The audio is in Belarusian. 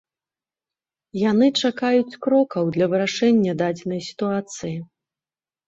Яны чакаюць крокаў для вырашэння дадзенай сітуацыі.